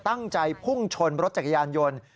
ตั้งใจพุ่งชนรถจักรยานยนต์